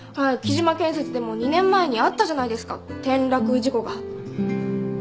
喜嶋建設でも２年前にあったじゃないですか転落事故が。